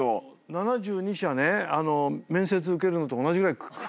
７２社ね面接受けるのと同じぐらい。